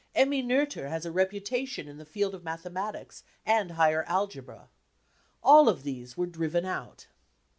Emmy Noether has a reputation in the field of mathematics and higher algebra. All of these were driven out.